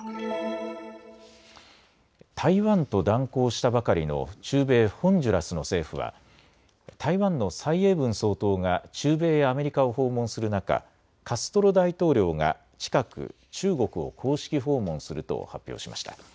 台湾と断交したばかりの中米ホンジュラスの政府は台湾の蔡英文総統が中米やアメリカを訪問する中、カストロ大統領が近く中国を公式訪問すると発表しました。